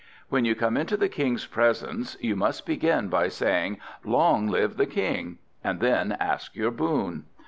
"When you come into the King's presence, you must begin by saying: 'Long live the King!' and then ask your boon."